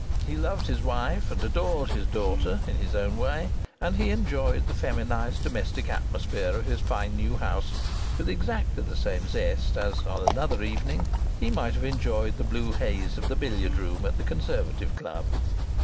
He loved his wife and adored his daughter, in his own way, and he enjoyed the feminized domestic atmosphere of his fine new house with exactly the same zest as, on another evening, he might have enjoyed the blue haze of the billiard room at the Conservative Club.